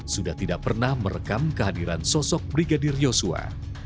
sudah tidak pernah merekam kehadiran sosok brigadir yosua